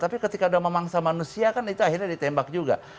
tapi ketika udah memangsa manusia kan itu akhirnya ditembak juga